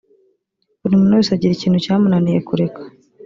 Buri muntu wese agira ikintu cyamunaniye kureka